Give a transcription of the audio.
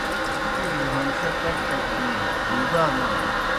پِیڙوْ ہمشہ کٹ کٹ بِینوْ بِیبانانوْ۔